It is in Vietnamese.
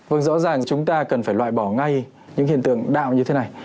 vâng rõ ràng chúng ta cần phải loại bỏ ngay những hiện tượng đạo như thế này